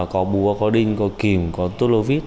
có búa có đinh có kìm có tút lô vít